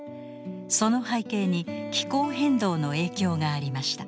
その背景に気候変動の影響がありました。